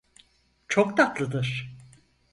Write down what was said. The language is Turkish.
Çok tatlıdır.